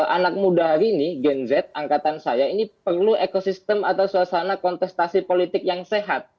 anak muda hari ini gen z angkatan saya ini perlu ekosistem atau suasana kontestasi politik yang sehat